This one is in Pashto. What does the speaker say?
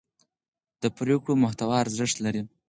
د پرېکړو محتوا ارزښت لري